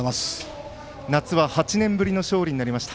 夏は８年ぶりの勝利になりました。